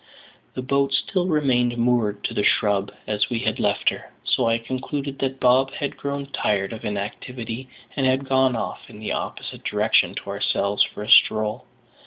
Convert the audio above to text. The boat still remained moored to the shrub, as we had left her, so I concluded that Bob had grown tired of inactivity and had gone off, in the opposite direction to ourselves, for a stroll.